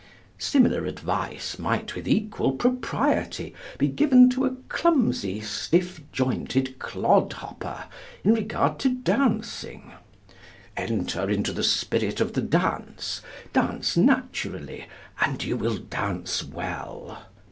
Similar advice might with equal propriety be given to a clumsy, stiff jointed clodhopper in regard to dancing: 'Enter into the spirit of the dance, dance naturally, and you will dance well.'